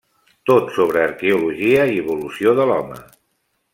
Tot sobre arqueologia i evolució de l'home.